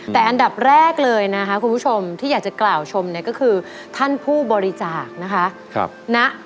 แต่อันดับแรกเลยนะคะคุณผู้ชมที่อยากจะกล่าวชมเนี่ยก็คือท่านผู้บริจาคนะคะ